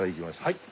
はい。